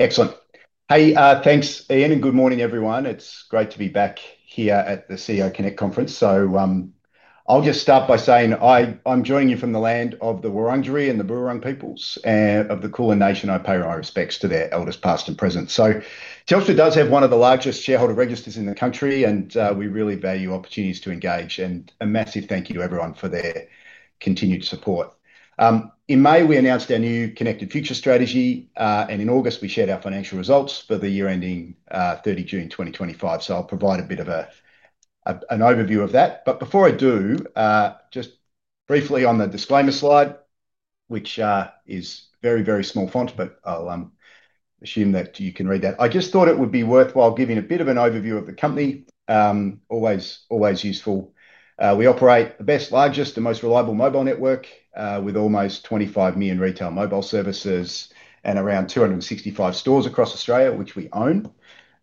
Excellent. Hey, thanks Ian and good morning everyone. It's great to be back here at the CEO Connect conference. I'll just start by saying I'm joining you from the land of the Wurundjeri and the Burrung peoples of the Kulin nation. I pay my respects to their elders past and present. Telstra does have one of the largest shareholder registers in the country, and we really value opportunities to engage. A massive thank you to everyone for their continued support. In May, we announced our new Connected Future 30 strategy, and in August, we shared our financial results for the year ending 30 June 2025. I'll provide a bit of an overview of that. Before I do, just briefly on the disclaimer slide, which is very, very small font, but I'll assume that you can read that. I just thought it would be worthwhile giving a bit of an overview of the company. Always, always useful. We operate the best, largest, and most reliable mobile network, with almost 25 million retail mobile services and around 265 stores across Australia, which we own.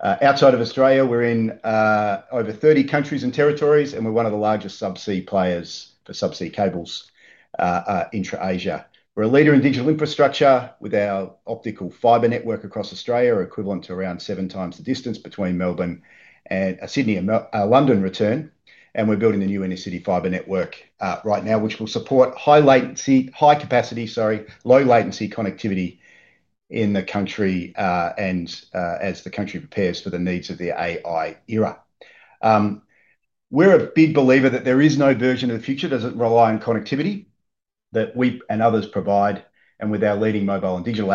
Outside of Australia, we're in over 30 countries and territories, and we're one of the largest subsea players for subsea cables, intra-Asia. We're a leader in digital infrastructure with our optical fiber network across Australia, equivalent to around seven times the distance between Melbourne and Sydney and London return. We're building the new inner city fiber network right now, which will support low latency, high capacity connectivity in the country as the country prepares for the needs of the AI era. We're a big believer that there is no version of the future that doesn't rely on connectivity that we and others provide, and with our leading mobile and digital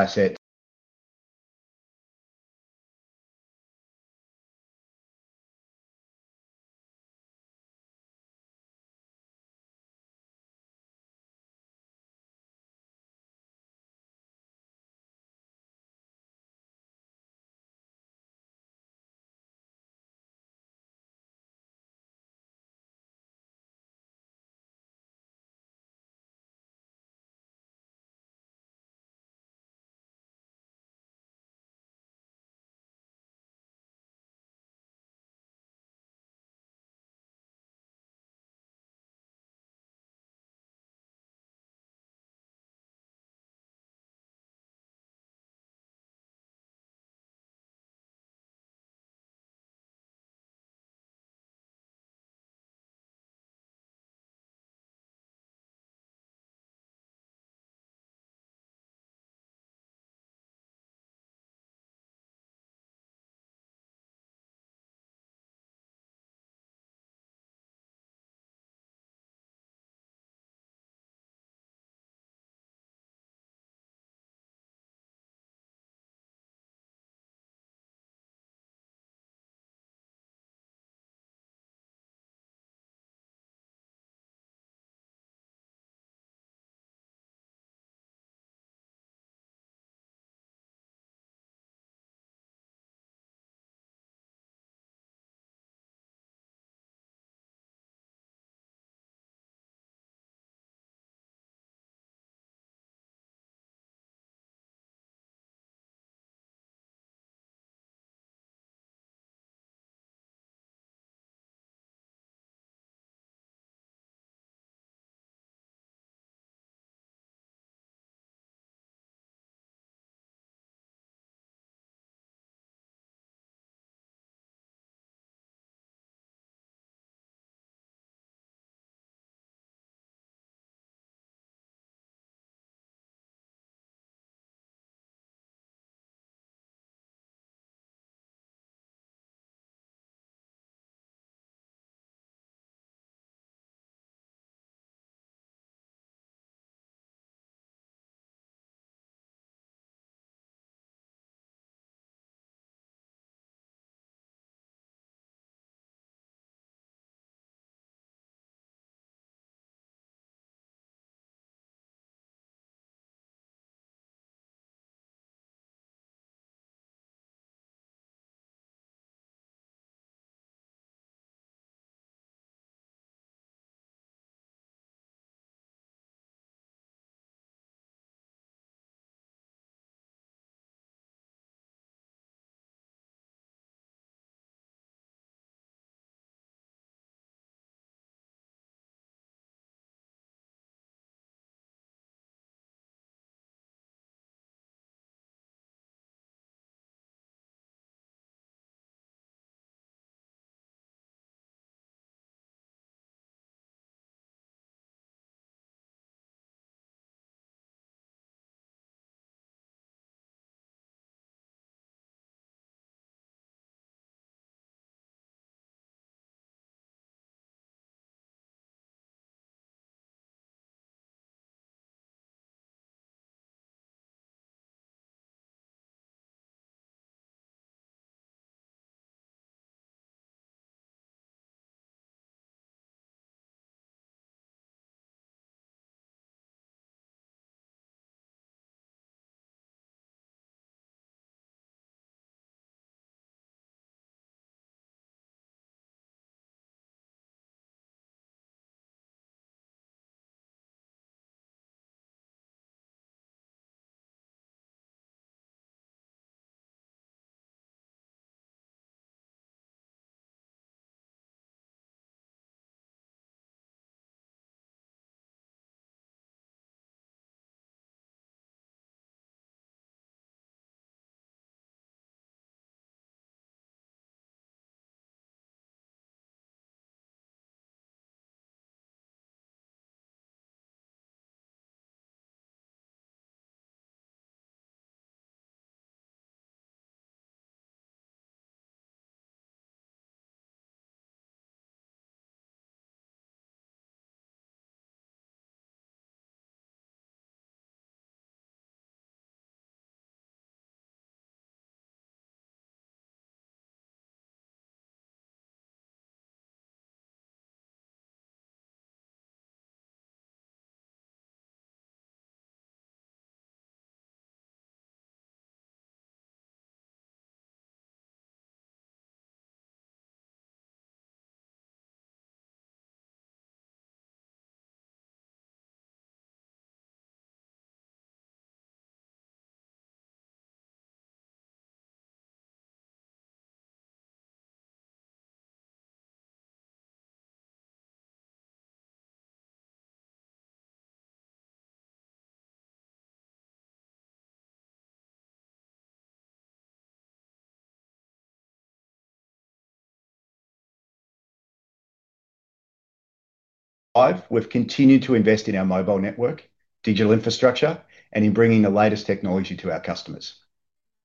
services. We've continued to invest in our mobile network, digital infrastructure, and in bringing the latest technology to our customers.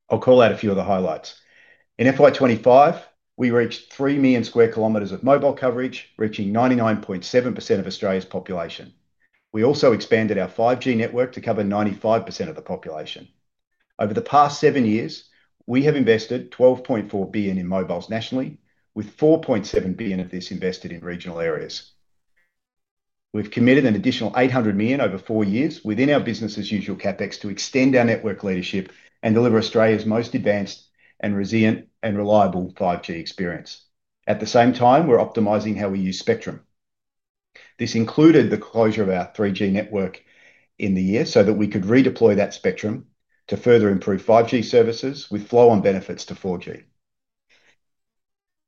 I'll call out a few of the highlights. In FY25, we reached 3 million square kilometers of mobile coverage, reaching 99.7% of Australia's population. We also expanded our 5G network to cover 95% of the population. Over the past seven years, we have invested $12.4 billion in mobiles nationally, with $4.7 billion of this invested in regional areas. We've committed an additional $800 million over four years within our business as usual CapEx to extend our network leadership and deliver Australia's most advanced and resilient and reliable 5G experience. At the same time, we're optimizing how we use spectrum. This included the closure of our 3G network in the year so that we could redeploy that spectrum to further improve 5G services with flow-on benefits to 4G.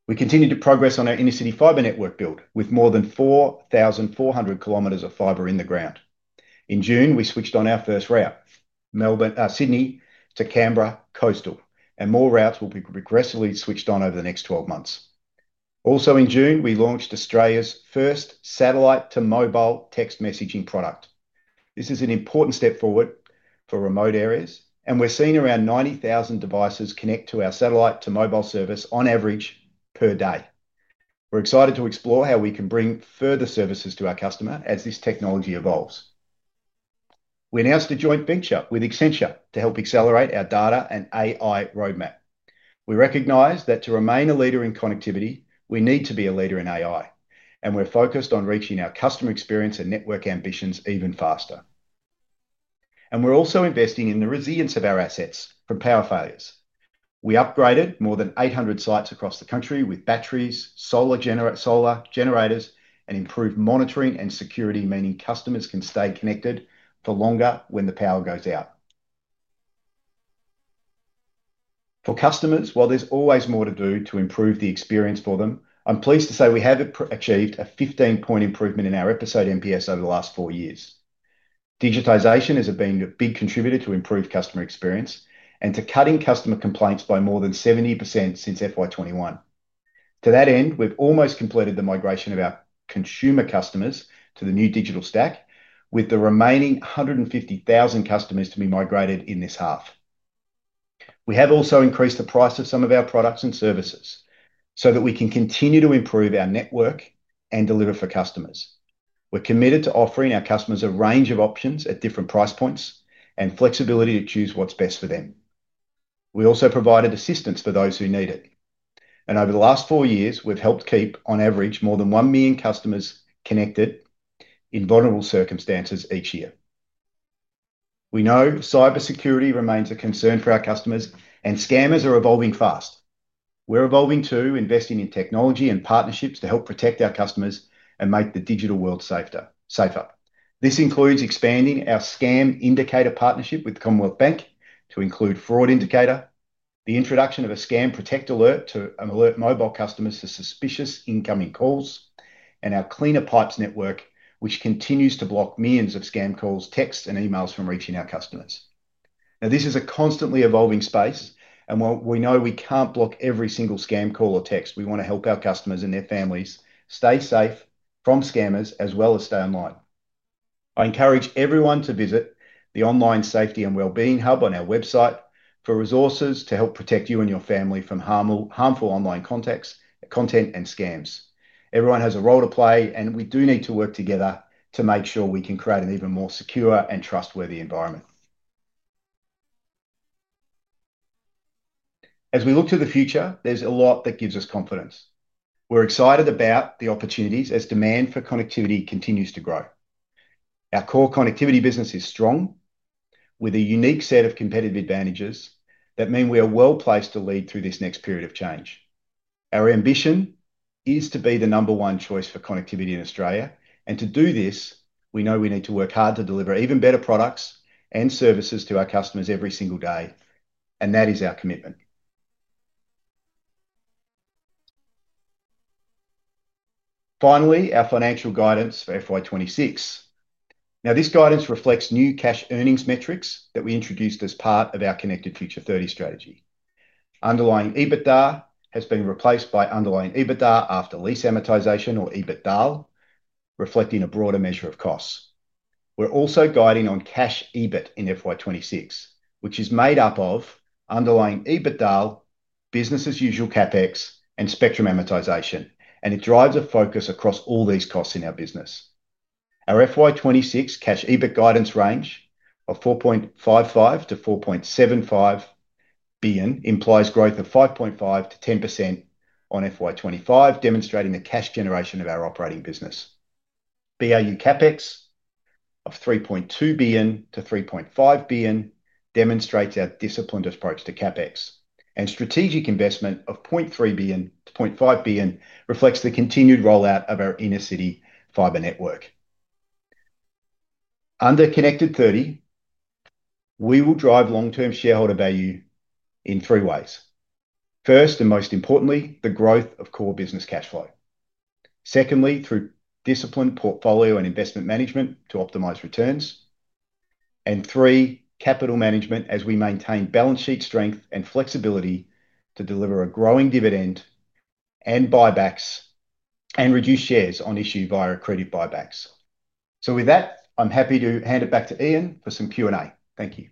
We continue to progress on our inner city fiber network build with more than 4,400 kilometers of fiber in the ground. In June, we switched on our first route, Sydney to Canberra coastal, and more routes will be progressively switched on over the next 12 months. Also, in June, we launched Australia's first satellite-to-mobile text messaging product. This is an important step forward for remote areas, and we're seeing around 90,000 devices connect to our satellite-to-mobile service on average per day. We're excited to explore how we can bring further services to our customer as this technology evolves. We announced a joint venture with Accenture to help accelerate our data and AI roadmap. We recognize that to remain a leader in connectivity, we need to be a leader in AI, and we're focused on reaching our customer experience and network ambitions even faster. We're also investing in the resilience of our assets from power failures. We upgraded more than 800 sites across the country with batteries, solar generators, and improved monitoring and security, meaning customers can stay connected for longer when the power goes out. For customers, while there's always more to do to improve the experience for them, I'm pleased to say we have achieved a 15-point improvement in our episode NPS over the last four years. Digitization has been a big contributor to improved customer experience and to cutting customer complaints by more than 70% since FY21. To that end, we've almost completed the migration of our consumer customers to the new digital stack, with the remaining 150,000 customers to be migrated in this half. We have also increased the price of some of our products and services so that we can continue to improve our network and deliver for customers. We're committed to offering our customers a range of options at different price points and flexibility to choose what's best for them. We also provided assistance for those who need it. Over the last four years, we've helped keep, on average, more than 1 million customers connected in vulnerable circumstances each year. We know cybersecurity remains a concern for our customers, and scammers are evolving fast. We're evolving to invest in technology and partnerships to help protect our customers and make the digital world safer. This includes expanding our scam indicator partnership with Commonwealth Bank to include fraud indicator, the introduction of a Scam Protect alert to alert mobile customers to suspicious incoming calls, and our Cleaner Pipes network, which continues to block millions of scam calls, texts, and emails from reaching our customers. This is a constantly evolving space, and we know we can't block every single scam call or text. We want to help our customers and their families stay safe from scammers as well as stay online. I encourage everyone to visit the online safety and wellbeing hub on our website for resources to help protect you and your family from harmful online content and scams. Everyone has a role to play, and we do need to work together to make sure we can create an even more secure and trustworthy environment. As we look to the future, there's a lot that gives us confidence. We're excited about the opportunities as demand for connectivity continues to grow. Our core connectivity business is strong with a unique set of competitive advantages that mean we are well placed to lead through this next period of change. Our ambition is to be the number one choice for connectivity in Australia, and to do this, we know we need to work hard to deliver even better products and services to our customers every single day, and that is our commitment. Finally, our financial guidance for FY26. This guidance reflects new cash earnings metrics that we introduced as part of our Connected Future 30 strategy. Underlying EBITDA has been replaced by underlying EBITDA after lease amortization or EBITDAL, reflecting a broader measure of costs. We're also guiding on cash EBIT in FY26, which is made up of underlying EBITDAL, business as usual CapEx, and spectrum amortization, and it drives a focus across all these costs in our business. Our FY26 cash EBIT guidance range of $4.55 billion to $4.75 billion implies growth of 5.5% to 10% on FY25, demonstrating the cash generation of our operating business. BAU CapEx of $3.2 billion to $3.5 billion demonstrates our disciplined approach to CapEx, and strategic investment of $0.3 billion to $0.5 billion reflects the continued rollout of our inner city fiber network. Under Connected 30, we will drive long-term shareholder value in three ways. First, and most importantly, the growth of core business cash flow. Secondly, through disciplined portfolio and investment management to optimize returns. Three, capital management as we maintain balance sheet strength and flexibility to deliver a growing dividend and buybacks and reduce shares on issue via credit buybacks. With that, I'm happy to hand it back to Ian for some Q&A. Thank you.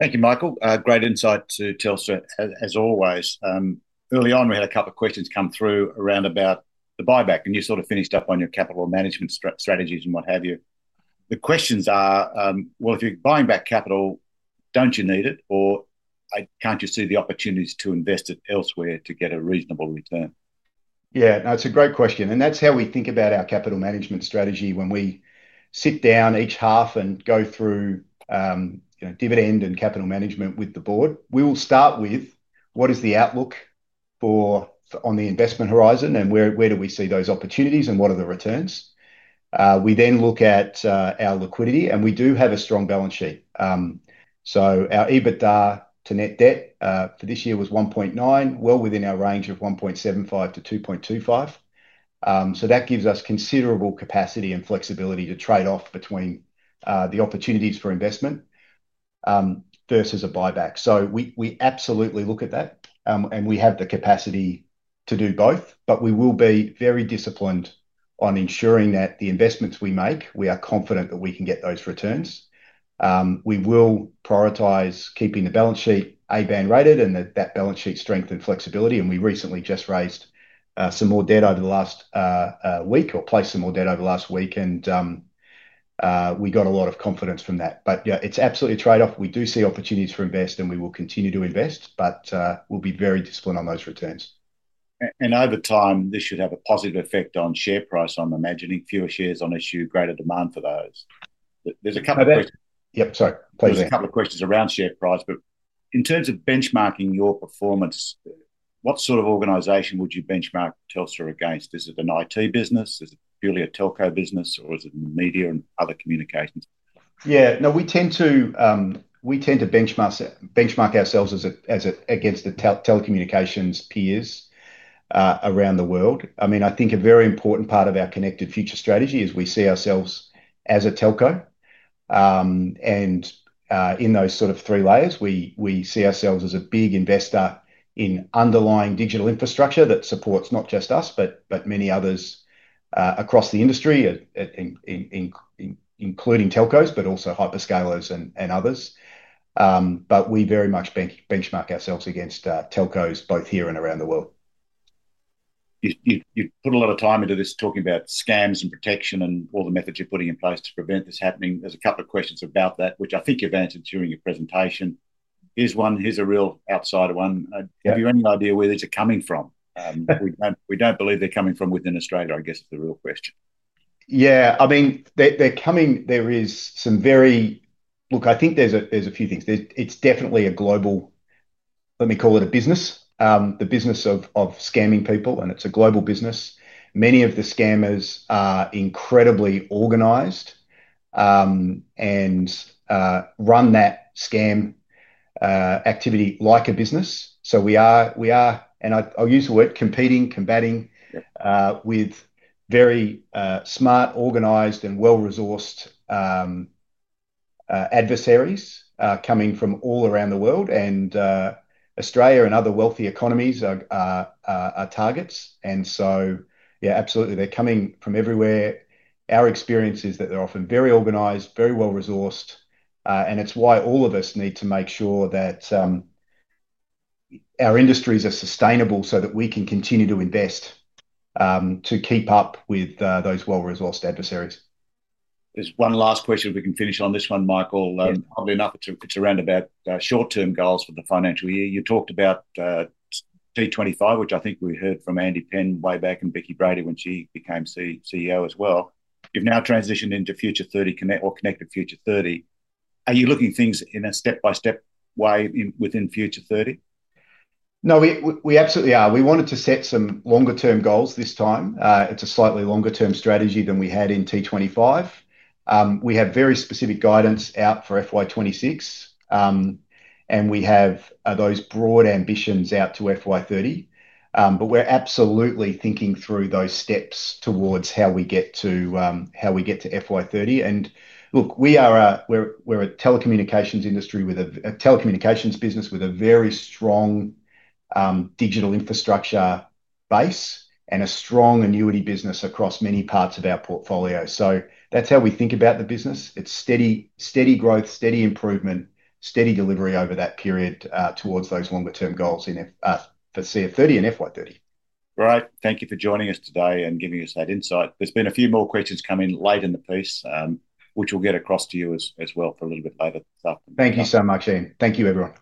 Thank you, Michael. Great insight to Telstra as always. Early on, we had a couple of questions come through around about the buyback, and you sort of finished up on your capital management strategies and what have you. The questions are, if you're buying back capital, don't you need it? I can't just see the opportunities to invest it elsewhere to get a reasonable return. Yeah. That's a great question. That's how we think about our capital management strategy when we sit down each half and go through dividend and capital management with the board. We will start with what is the outlook on the investment horizon and where do we see those opportunities and what are the returns. We then look at our liquidity, and we do have a strong balance sheet. Our EBITDA to net debt for this year was 1.9, well within our range of 1.75 to 2.25. That gives us considerable capacity and flexibility to trade off between the opportunities for investment versus a buyback. We absolutely look at that, and we have the capacity to do both, but we will be very disciplined on ensuring that the investments we make, we are confident that we can get those returns. We will prioritize keeping the balance sheet ABAN rated and that balance sheet strength and flexibility. We recently just raised some more debt over the last week or placed some more debt over the last week, and we got a lot of confidence from that. It's absolutely a trade-off. We do see opportunities for investment, and we will continue to invest, but we'll be very disciplined on those returns. Over time, this should have a positive effect on share price. I'm imagining fewer shares on issue, greater demand for those. Yep. Sorry. There's a couple of questions around share price, but in terms of benchmarking your performance, what sort of organization would you benchmark Telstra against? Is it an IT business? Is it purely a telco business, or is it media and other communications? Yeah, no, we tend to benchmark ourselves against the telecommunications peers around the world. I mean, I think a very important part of our Connected Future 30 strategy is we see ourselves as a telco. In those sort of three layers, we see ourselves as a big investor in underlying digital infrastructure that supports not just us, but many others across the industry, including telcos, but also hyperscalers and others. We very much benchmark ourselves against telcos both here and around the world. You put a lot of time into this talking about scams and protection and all the methods you're putting in place to prevent this happening. There's a couple of questions about that, which I think you've answered during your presentation. Here's one, here's a real outsider one. Have you any idea where these are coming from? We don't believe they're coming from within Australia, I guess is the real question. Yeah, I mean, they're coming. There is some very, look, I think there's a few things. It's definitely a global, let me call it a business, the business of scamming people, and it's a global business. Many of the scammers are incredibly organized and run that scam activity like a business. We are, and I'll use the word competing, combating, with very smart, organized, and well-resourced adversaries coming from all around the world. Australia and other wealthy economies are targets. Yeah, absolutely, they're coming from everywhere. Our experience is that they're often very organized, very well-resourced, and it's why all of us need to make sure that our industries are sustainable so that we can continue to invest to keep up with those well-resourced adversaries. There's one last question if we can finish on this one, Michael. I'll be an opportunity to round about short-term goals for the financial year. You talked about D25, which I think we heard from Andy Penn way back and Vicki Brady when she became CEO as well. You've now transitioned into Connected Future 30. Are you looking at things in a step-by-step way within Future 30? No, we absolutely are. We wanted to set some longer-term goals this time. It's a slightly longer-term strategy than we had in T25. We have very specific guidance out for FY26, and we have those broad ambitions out to FY30. We're absolutely thinking through those steps towards how we get to FY30. We are a telecommunications industry with a telecommunications business with a very strong digital infrastructure base and a strong annuity business across many parts of our portfolio. That's how we think about the business. It's steady growth, steady improvement, steady delivery over that period towards those longer-term goals in for CF30 and FY30. Great. Thank you for joining us today and giving us that insight. There have been a few more questions coming late in the piece, which we'll get across to you as well for a little bit later. Thank you so much, Iain. Thank you, everyone.